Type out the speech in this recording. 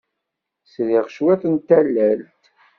Sriɣ cwiṭ n tallalt.